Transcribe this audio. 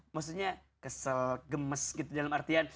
maksudnya kesel gemes gitu dalam artian